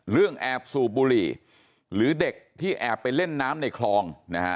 เรื่องแอบสู่บุหรี่หรือเด็กที่แอบไปเล่นน้ำในคลอง